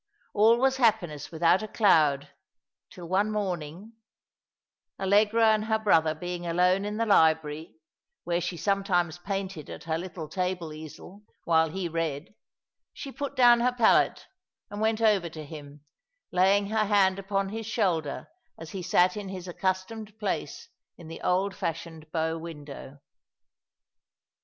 All was happiness without a cloud, till one morning — Allegra and her brother being alone in the library, where she sometimes painted at her little table easel, while he read —she put down her palette and went over to him, laying her hand upon his shoulder as he sat in his accustomed place in the old fashioned bow window.